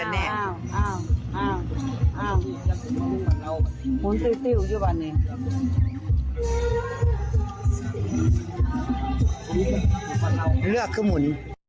เนื้อก็หมุน